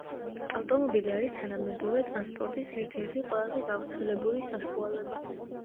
ავტომობილი არის თანამედროვე ტრანსპორტის ერთ-ერთი ყველაზე გავრცელებული საშუალება.